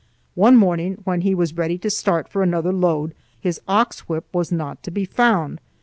One morning, when he was ready to start for another load, his ox whip was not to be found.